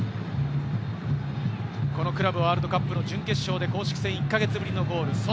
このクラブワールドカップの準決勝で公式戦１か月ぶりのゴール。